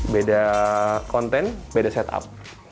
beda konten beda setup